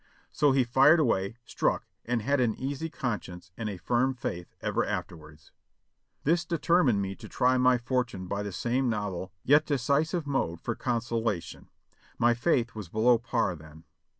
So he fired away, struck, and had an easy conscience and a firm faith ever afterwards. This determined me to try my fortune by the same novel yet decisive mode for consolation — my faith was below par then.